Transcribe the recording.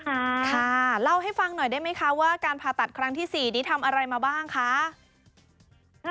ค่ะเล่าให้ฟังหน่อยได้ไหมคะว่าการผ่าตัดครั้งที่๔นี้ทำอะไรมาบ้างคะ